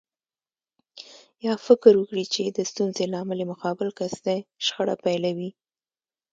يا فکر وکړي چې د ستونزې لامل يې مقابل کس دی شخړه پيلوي.